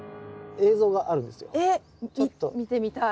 えっ見てみたい。